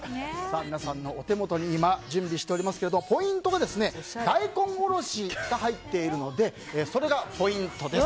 皆さんのお手元にも準備しておりますがポイントが大根おろしが入っているのでそれがポイントです。